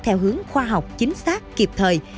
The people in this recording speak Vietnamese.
theo hướng khoa học chính xác kịp thời